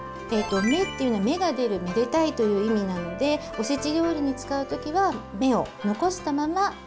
芽っていうのは芽が出る「めでたい」という意味なのでおせち料理に使う時は芽を残したまま使います。